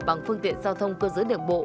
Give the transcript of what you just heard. bằng phương tiện giao thông cơ giới đường bộ